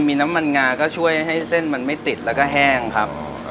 มีน้ำมันงาก็ช่วยให้เส้นมันไม่ติดแล้วก็แห้งครับ